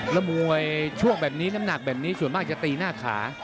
แล้วมวยช่วงแบบนี้น้ำหนักแบบนี้ส่วนมากจะตีหน้าขา